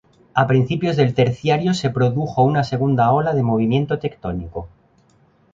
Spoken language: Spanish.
A principios del Terciario, se produjo una segunda ola de movimiento tectónico.